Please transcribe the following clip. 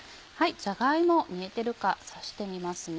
じゃが芋煮えてるか刺してみますね。